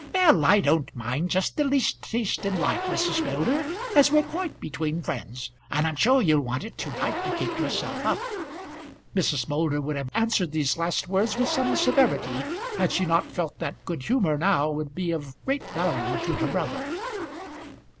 "Well, I don't mind just the least taste in life, Mrs. Moulder, as we're quite between friends; and I'm sure you'll want it to night to keep yourself up." Mrs. Moulder would have answered these last words with some severity had she not felt that good humour now might be of great value to her brother.